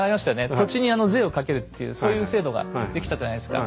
土地に税をかけるっていうそういう制度が出来たじゃないですか。